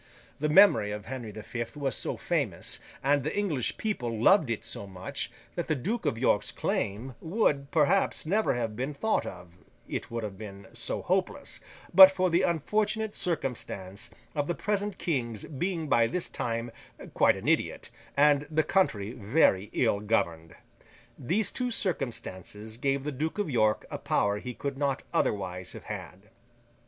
The memory of Henry the Fifth was so famous, and the English people loved it so much, that the Duke of York's claim would, perhaps, never have been thought of (it would have been so hopeless) but for the unfortunate circumstance of the present King's being by this time quite an idiot, and the country very ill governed. These two circumstances gave the Duke of York a power he could not otherwise have had.